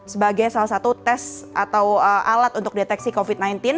sebagai salah satu tes atau alat untuk deteksi covid sembilan belas